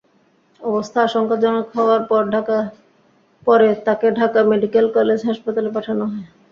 অবস্থা আশঙ্কাজনক হওয়ায় পরে তাঁকে ঢাকা মেডিকেল কলেজ হাসপাতালে পাঠানো হয়।